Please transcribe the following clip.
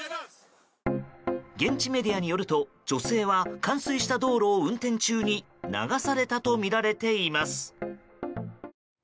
現地メディアによると、女性は冠水した道路を運転中に流されたとみられています。